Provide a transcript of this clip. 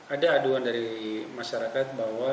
ada aduan dari masyarakat bahwa